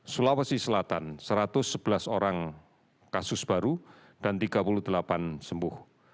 sulawesi selatan satu ratus sebelas orang kasus baru dan tiga puluh delapan sembuh